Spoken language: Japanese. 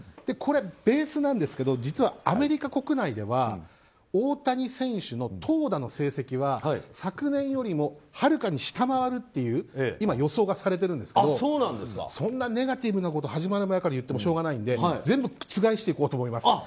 これはベースなんですけど実はアメリカ国内では大谷選手の投打の成績は昨年よりもはるかに下回るという予想がされているんですがそんなネガティブなことを始まる前から言ってもしょうがないので全部覆していこうと思います。